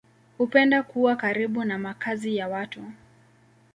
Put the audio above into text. Hupenda kuwa karibu na makazi ya watu.